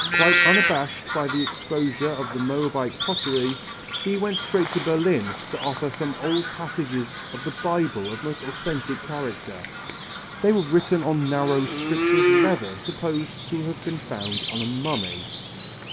Quite unabashed by the exposure of the Moabite pottery, he went straight to Berlin to offer some old passages of the Bible of most authentic character. They were written on narrow strips of leather supposed to have been found on a mummy.